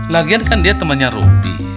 lagian kan dia temannya roby